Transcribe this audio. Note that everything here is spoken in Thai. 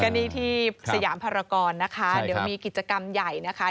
ก็นี่ที่สยามภารกรนะคะเดี๋ยวมีกิจกรรมใหญ่นะคะ